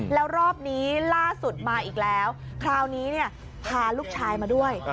แล้วรอบนี้ล่าสุดมาอีกแล้วคราวนี้พาลูกชายมาด้วย